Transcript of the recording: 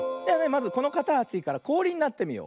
まずこのかたちからこおりになってみよう。